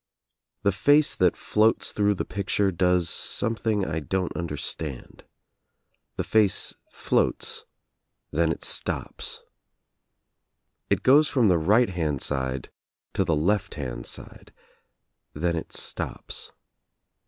The face that floats through the picture does something I don't understand. The face floats, then it stops. It goes from the right hand side to the left hand side, then it stops.